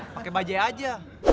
pakai bajet aja